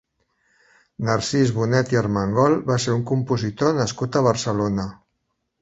Narcís Bonet i Armengol va ser un compositor nascut a Barcelona.